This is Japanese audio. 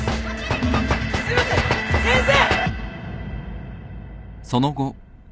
すいません先生。